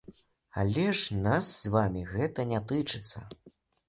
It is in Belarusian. Але ж нас з вамі гэта не тычыцца?